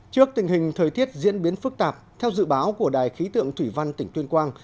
trước tình hình thời tiết diễn biến phức tạp theo dự báo của đài khí tượng thủy văn tỉnh tuyên quang